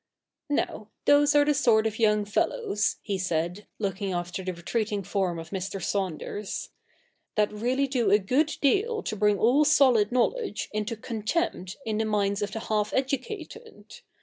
' Now, those are the sort of young fellows,' he said, looking after the retreating form of Mr. Saunders, ' that really do a good deal to bring all solid knowledge into contempt in the minds of the half educated.